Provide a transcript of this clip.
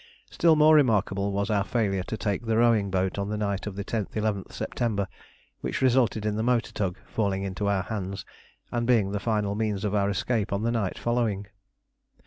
Still more remarkable was our failure to take the rowing boat on the night of 10th/11th September, which resulted in the motor tug falling into our hands and being the final means of our escape on the night following.